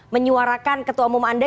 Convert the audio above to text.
menyuarakan ketua umum anda